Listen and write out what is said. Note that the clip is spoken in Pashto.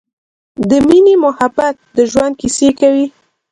د مینې مخبت د ژوند کیسې کوی